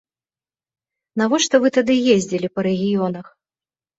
Навошта вы тады ездзілі па рэгіёнах?